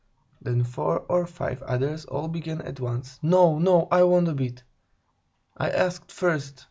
Then four or five others all began at once: "No, no, I want a bit! I asked first!